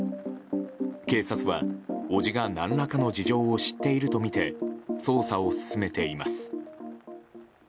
警察は伯父が何らかの事情を知っているとみて捜査を進めています。